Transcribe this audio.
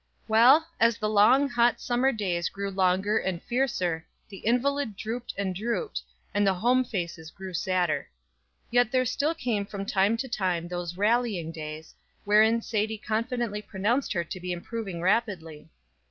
Well, as the long, hot summer days grew longer and fiercer, the invalid drooped and drooped, and the home faces grew sadder. Yet there still came from time to time those rallying days, wherein Sadie confidently pronounced her to be improving rapidly.